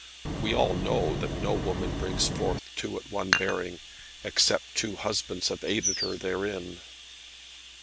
We all know that no woman brings forth two at one bearing, except two husbands have aided her therein."